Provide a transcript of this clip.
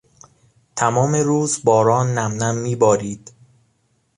تمام روز باران نمنم میبارید.